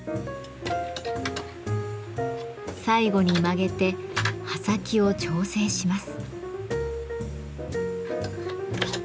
最後に曲げて刃先を調整します。